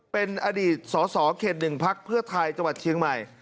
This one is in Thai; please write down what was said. เป็นอดีตสสเขต๑พักเพื่อไทยจังหวัดเชียงใหม่